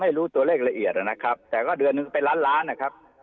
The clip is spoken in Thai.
รู้ตัวเลขละเอียดนะครับแต่ก็เดือนหนึ่งก็เป็นล้านล้านนะครับ